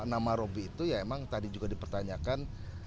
nama robby itu ya emang tadi juga dipertanyakan